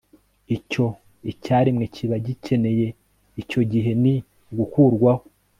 Icyo icyaremwe kiba gikeneye icyo gihe ni ugukurwaho